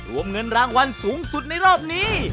รวมเงินรางวัลสูงสุดในรอบนี้